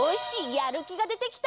やるきがでてきた！